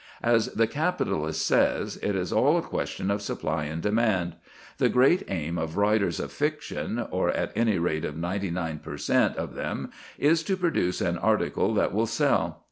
As the capitalist says, it is all a question of supply and demand. The great aim of writers of fiction, or at any rate of ninety nine per cent. of them, is to produce an article that will sell.